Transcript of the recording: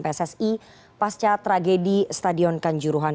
pssi pasca tragedi stadion kanjuruhan